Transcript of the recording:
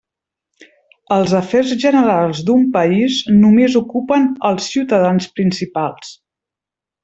Els afers generals d'un país només ocupen els ciutadans principals.